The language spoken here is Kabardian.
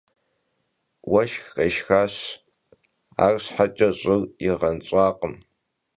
Vueşşx khêşşxaş, arşheç'e ş'ır yiğenş'akhım.